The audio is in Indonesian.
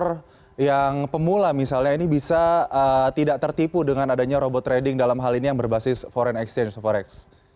dokter yang pemula misalnya ini bisa tidak tertipu dengan adanya robot trading dalam hal ini yang berbasis foreign exchange forex